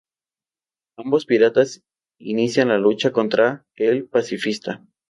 Ambos piratas inician la lucha contra el Pacifista.